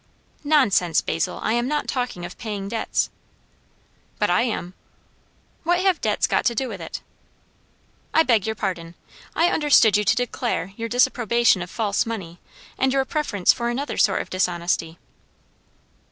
"Nonsense, Basil! I am not talking of paying debts." "But I am." "What have debts got to do with it?" "I beg your pardon. I understood you to declare your disapprobation of false money, and your preference for another sort of dishonesty."